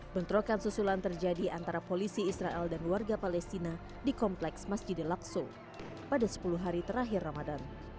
bentrokan susulan terjadi antara polisi israel dan warga palestina di kompleks masjidil lakso pada sepuluh hari terakhir ramadan